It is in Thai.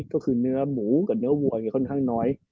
ก็คือเนื้อหมูกับเนื้อวัวค่อนข้างน้อย